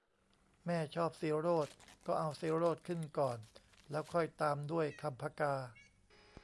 แม่ชอบศิโรตม์ก็เอาศิโรตม์ขึ้นก่อน แล้วค่อยตามด้วยคำผกา